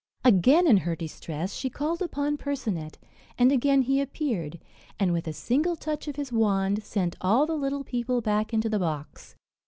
Again, in her distress, she called upon Percinet, and again he appeared; and, with a single touch of his wand, sent all the little people back into the box.